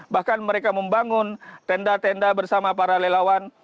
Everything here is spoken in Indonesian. bahkan mereka membangun tenda tenda bersama para relawan